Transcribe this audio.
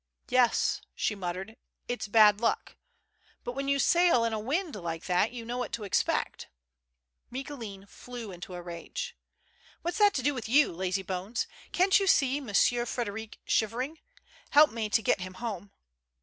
"Yes," she muttered, " it's bad luck. But when you sail in a wind like that, you know what to expect." Micoulin flew into a rage. " What's that to do with you, lazybones? Can't you see Monsieur Frederic shivering ? Help me to get him home."